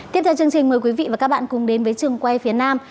tiếp theo chương trình mời quý vị và các bạn cùng đến với trường quay phía nam